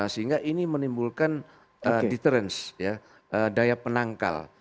sehingga ini menimbulkan deterens daya penangkal